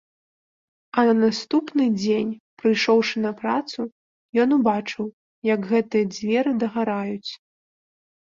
А на наступны дзень, прыйшоўшы на працу, ён убачыў, як гэтыя дзверы дагараюць.